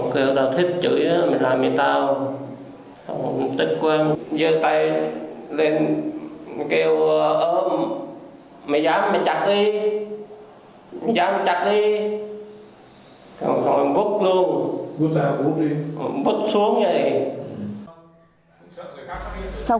kêu thì sao